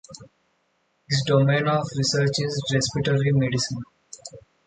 His domain of research is respiratory medicine.